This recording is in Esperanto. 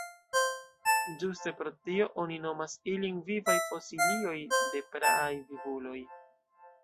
Ĝuste pro tio oni nomas ilin vivaj fosilioj de praaj vivuloj.